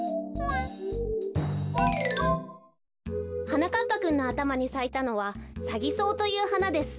はなかっぱくんのあたまにさいたのはサギソウというはなです。